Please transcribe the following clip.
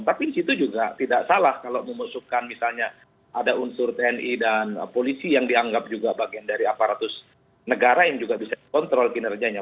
tapi di situ juga tidak salah kalau memusuhkan misalnya ada unsur tni dan polisi yang dianggap juga bagian dari aparatus negara yang juga bisa dikontrol kinerjanya